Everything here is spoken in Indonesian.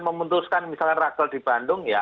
memutuskan misalnya raker di bandung ya